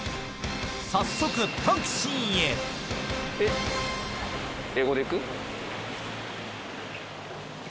早速タクシーへ英語でいく？